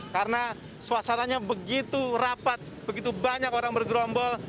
karena suasananya begitu rapat begitu banyak orang bergerombol